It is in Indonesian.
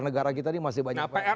negara kita ini masih banyak pr